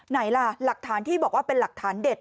ไหนล่ะหลักฐานที่บอกว่าเป็นหลักฐานเด็ด